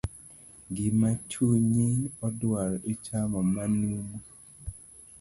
Gima chunyi odwaro, ichamo manumu.